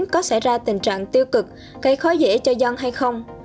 có xảy ra tình trạng tiêu cực gây khó dễ cho dân hay không